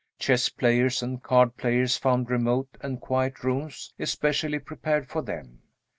Chess players and card players found remote and quiet rooms especially prepared for them.